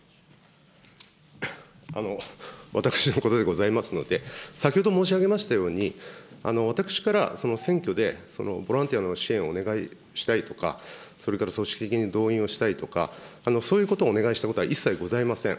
私のことでございますので、先ほど申し上げましたように、私から選挙でボランティアの支援をお願いしたいとか、それから組織的に動員をしたいとか、そういうことをお願いしたことは一切ございません。